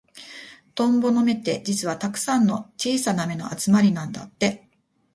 トンボの目って、実はたくさんの小さな目の集まりなんだって。